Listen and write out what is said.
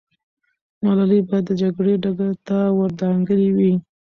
ملالۍ به د جګړې ډګر ته ور دانګلې وي.